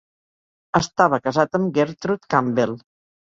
Estava casat amb Gertrude Campbell.